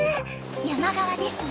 山側ですね。